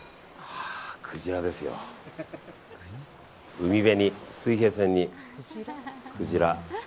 海辺に、水平線にクジラ。